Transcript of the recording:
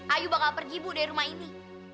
ayu bakal pergi bu dari rumah ini